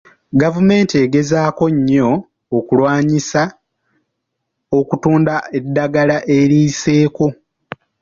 Gavumenti egezaako nnyo okulwanyisa okutunda eddagala eriyiseeko.